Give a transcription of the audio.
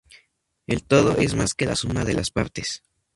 El todo es más que la suma de las partes.